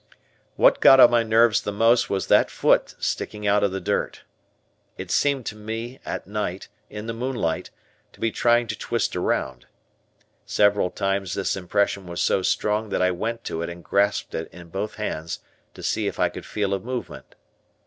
What got on my nerves the most was that foot sticking out of the dirt. It seemed to me, at night, in the moonlight, to be trying to twist around. Several times this impression was so strong that I went to it and grasped it in both hands, to see if I could feel a movement.